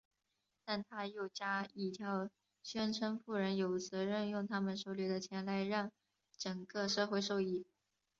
但他又加一条宣称富人有责任用他们手里的钱来让整个社会受益。